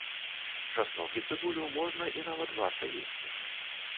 Часнок і цыбулю можна і нават варта есці.